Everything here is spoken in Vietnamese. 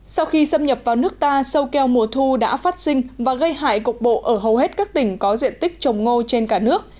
sau khi xâm nhập vào nước ta sâu keo mùa thu đã phát sinh và gây hại cục bộ ở hầu hết các tỉnh có diện tích trồng ngô trên cả nước